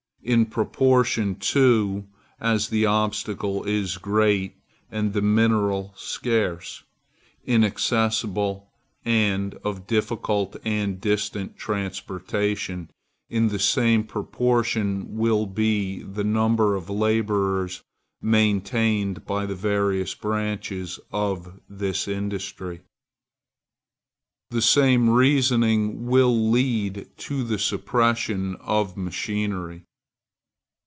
In proportion, too, as the obstacle is great, and the mineral scarce, inaccessible, and of difficult and distant transportation, in the same proportion will be the number of laborers maintained by the various branches of this industry. The same reasoning will lead to the suppression of machinery.